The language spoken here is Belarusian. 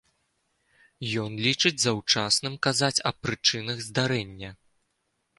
Ён лічыць заўчасным казаць аб прычынах здарэння.